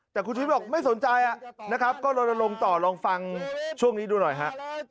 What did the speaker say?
แต่คุณชุวิตบอกไม่สนใจนะครับก็ลนลงต่อลองฟังช่วงนี้ดูหน่อยฮะ